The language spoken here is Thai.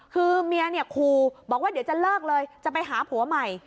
คือเมียเนี่ยครูบอกว่าเดี๋ยวจะเลิกเลยจะไปหาผัวใหม่